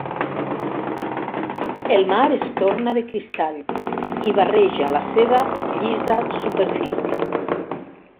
El mar es torna de cristall i barreja la seva llisa superfície.